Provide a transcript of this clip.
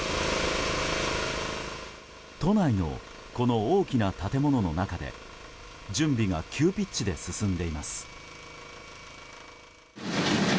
都内の、この大きな建物の中で準備が急ピッチで進んでいます。